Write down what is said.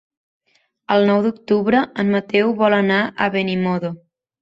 El nou d'octubre en Mateu vol anar a Benimodo.